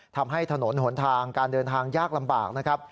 ทำให้ถนนหนทางการเดินทางยากลำบากนะครับ